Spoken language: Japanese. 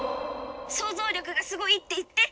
「想像力がすごいって言って！」。